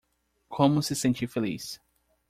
Como se sentir feliz?